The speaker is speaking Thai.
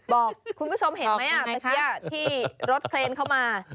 บอกคุณผู้ชมเห็นมั้ยอ่ะเมื่อกี้ที่รถเครนเข้ามา